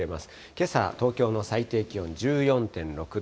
けさ、東京の最低気温１４．６度。